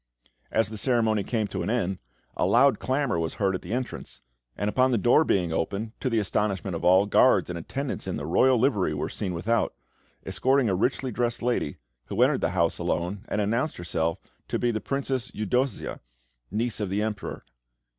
As the ceremony came to an end, a loud clamour was heard at the entrance, and upon the door being opened, to the astonishment of all, guards and attendants in the royal livery were seen without, escorting a richly dressed lady, who entered the house alone, and announced herself to be the Princess Eudossia, niece of the Emperor.